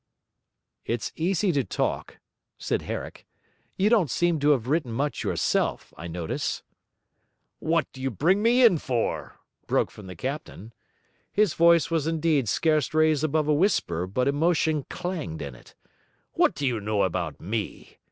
'It's easy to talk,' said Herrick. 'You don't seem to have written much yourself, I notice.' 'What do you bring in me for?' broke from the captain. His voice was indeed scarce raised above a whisper, but emotion clanged in it. 'What do you know about me?